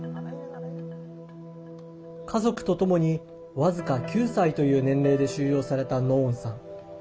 家族とともに、僅か９歳という年齢で収容されたノーンさん。